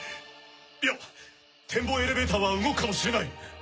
いや展望エレベーターは動くかもしれない！